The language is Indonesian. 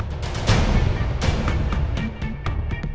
kenapa siasat ngebas jet gue sih